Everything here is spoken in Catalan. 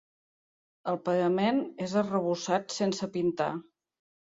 El parament és arrebossat sense pintar.